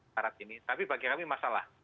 syarat ini tapi bagi kami masalah